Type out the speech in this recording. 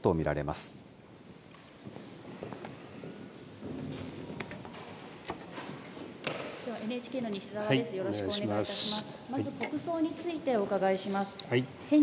まず国葬についてお伺いします。